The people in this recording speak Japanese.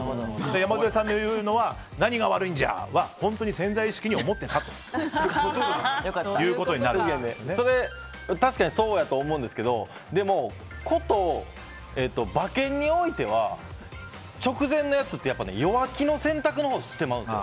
山添さんの言うのは何が悪いんじゃ！というのは本当に潜在意識でそれ、確かにそうやと思うんですけどでも、こと馬券においては直前のやつって弱気の選択をしてしまうんですよ。